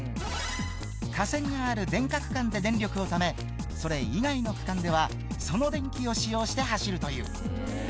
架線がある電化区間で電力をため、それ以外の区間では、その電気を使用して走るという。